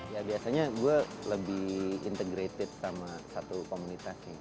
ya biasanya gue lebih integrated sama satu komunitas nih